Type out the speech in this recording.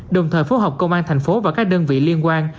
đồng thời phối hợp công an thành phố và các đơn vị liên quan